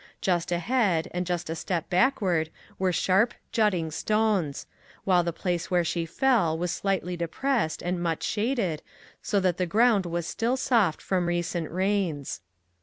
Just ahead, and just a step backward, were sharp, jutting stones, while the place where she fell was slightly depressed, and much shaded, so 238 "IF WE ONLY HADN'T" that the ground was still soft from recent rains.